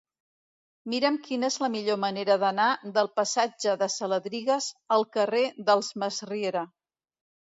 Mira'm quina és la millor manera d'anar del passatge de Saladrigas al carrer dels Masriera.